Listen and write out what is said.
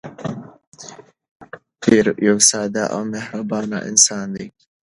پییر یو ساده او مهربان انسان دی.